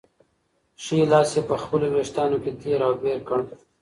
ښی لاس یې په خپلو وېښتانو کې تېر او بېر کړ.